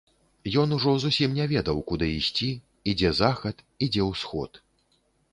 Ён ужо зусім не ведаў, куды ісці, і дзе захад, і дзе ўсход.